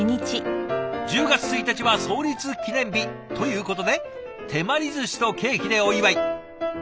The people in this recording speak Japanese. １０月１日は創立記念日ということで手毬寿司とケーキでお祝い。